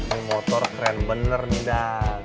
ini motor keren bener nih dan